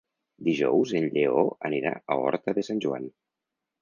Dijous en Lleó anirà a Horta de Sant Joan.